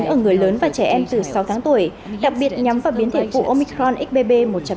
ở người lớn và trẻ em từ sáu tháng tuổi đặc biệt nhắm vào biến thể cụ omicron xbb một năm